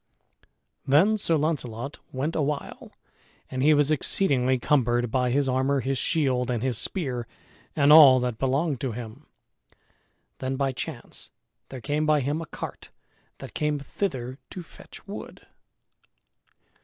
Then Sir Launcelot went awhile and he was exceedingly cumbered by his armor, his shield, and his spear, and all that belonged to him. Then by chance there came by him a cart that came thither to fetch wood.